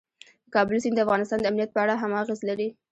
د کابل سیند د افغانستان د امنیت په اړه هم اغېز لري.